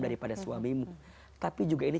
daripada suamimu tapi juga ini